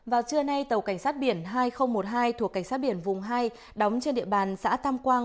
vào trưa nay tàu cảnh sát biển hai nghìn một mươi hai thuộc cảnh sát biển vùng hai đóng trên địa bàn xã tam quang